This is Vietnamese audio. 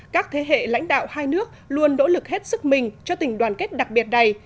các thế hệ lãnh đạo hai nước luôn nỗ lực hết sức mình cho tình đoàn kết đặc biệt này